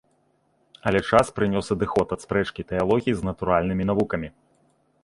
Але час прынёс адыход ад спрэчкі тэалогіі з натуральнымі навукамі.